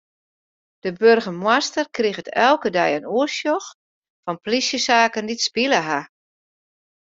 De boargemaster kriget elke dei in oersjoch fan plysjesaken dy't spile ha.